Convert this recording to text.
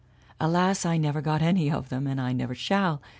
Alas, I never got any of them, and I never shall.